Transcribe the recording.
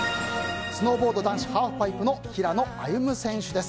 スノーボード男子ハーフパイプの平野歩夢選手。